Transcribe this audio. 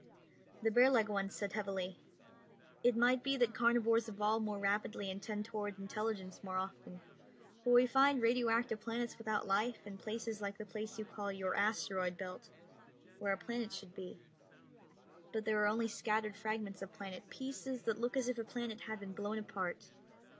The bearlike one said heavily, "It might be that carnivores evolve more rapidly and tend toward intelligence more often, for we find radioactive planets without life, and places like the place you call your asteroid belt, where a planet should be but there are only scattered fragments of planet, pieces that look as if a planet had been blown apart.